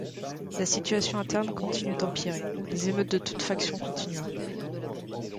La situation interne continue d’empirer, les émeutes de toutes factions continuant.